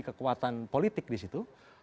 kekuatan politik di situ